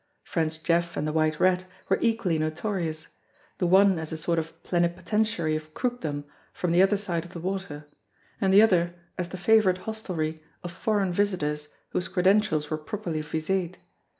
French Jeff and The White Rat were equally notorious; the one as a sort of plenipo tentiary of crookdom from the other side of the water, and the other as the favourite hostelry of foreign visitors whose credentials were properly vised.